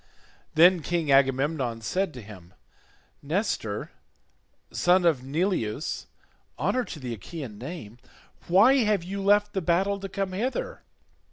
Then King Agamemnon said to him, "Nestor son of Neleus, honour to the Achaean name, why have you left the battle to come hither?